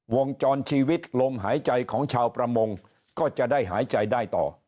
วงจรชีวิตลมหายใจของชาวประมงก็จะได้หายใจได้ต่อ